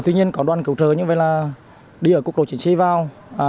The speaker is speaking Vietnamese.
tuy nhiên có đoàn cứu trợ như vậy là đi ở cuộc đồ chuyển xây vào